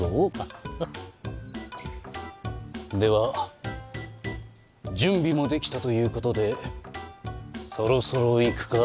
では準備も出来たということでそろそろ行くか？